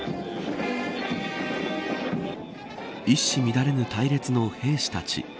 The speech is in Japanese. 一糸乱れぬ隊列の兵士たち。